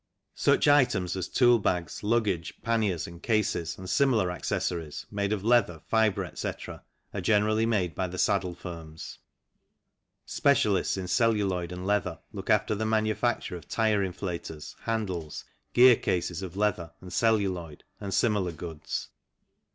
Such items as tool bags, luggage panniers, and cases, and similar accessories, made of leather, fibre, etc., are generally made by the saddle firms. Specialists in celluloid and leather look after the manufacture of tyre inflators, handles, gear cases of leather, and celluloid and sinrlar goods.